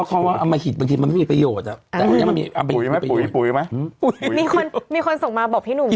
ตอนนี้ต้องจองนะ